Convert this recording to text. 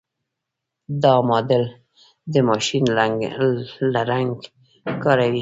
دا ماډل د ماشین لرنګ کاروي.